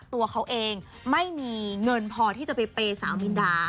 ตัวเขาเองไม่มีเงินพอที่จะไปเปย์สาวมินดา